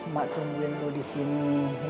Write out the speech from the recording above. mak tungguin lu disini